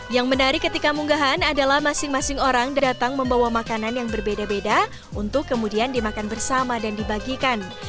yang menarik ketika munggahan adalah masing masing orang datang membawa makanan yang berbeda beda untuk kemudian dimakan bersama dan dibagikan